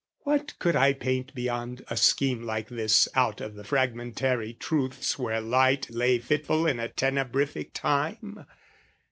"What could I paint beyond a scheme like this "Out of the fragmentary truths where light "Lay fitful in a tenebrific time?